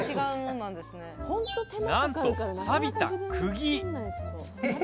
なんと、さびたくぎ。